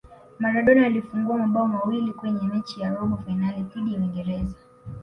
maradona alifunga mabao mawili Kwenye mechi ya robo fainali dhidi ya uingereza